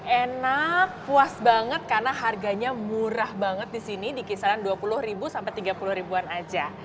enak puas banget karena harganya murah banget di sini di kisaran dua puluh ribu sampai tiga puluh ribuan aja